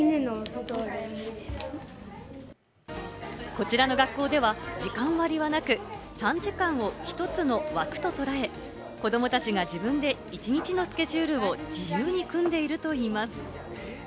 こちらの学校では時間割はなく、３時間を１つの枠と捉え、子どもたちが自分で一日のスケジュールを自由に組んでいるといいます。